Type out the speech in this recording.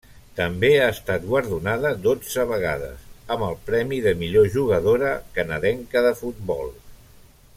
També ha estat guardonada, dotze vegades, amb el premi de Millor jugadora canadenca de futbol.